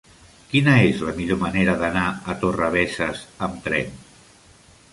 Quina és la millor manera d'anar a Torrebesses amb tren?